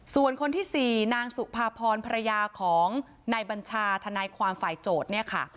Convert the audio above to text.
ส่วนคนที่สี่นางสุภาพรพระยาของนายบัญชาธนายความฝ่ายโจทย์